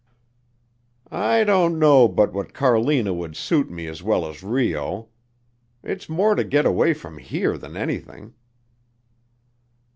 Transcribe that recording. "I don't know but what Carlina would suit me as well as Rio. It's more to get away from here than anything."